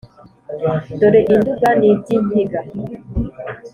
dore i nduga n' iby' inkiga.